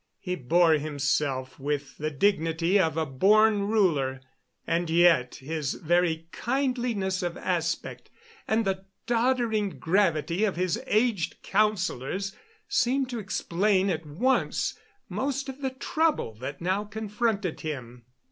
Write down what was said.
He bore himself with the dignity of a born ruler, and yet his very kindliness of aspect and the doddering gravity of his aged councilors, seemed to explain at once most of the trouble that now confronted him.